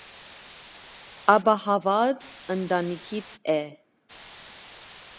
Ապահավված ընտանիքից է։